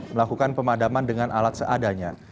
melakukan pemadaman dengan alat seadanya